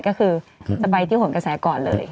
ก็คือจะไปที่หนกระแสก่อนเลย